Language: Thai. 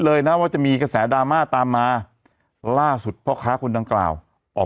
เลยนะว่าจะมีกระแสดราม่าตามมาล่าสุดพ่อค้าคนดังกล่าวออก